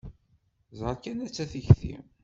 Ẓer kan atta tikti!